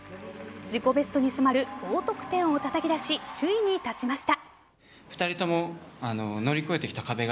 自己ベストに迫る高得点をたたき出し首位に立ちました。